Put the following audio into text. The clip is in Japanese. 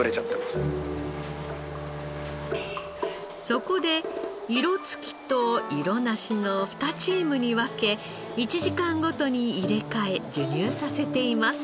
そこで色つきと色なしの２チームに分け１時間ごとに入れ替え授乳させています。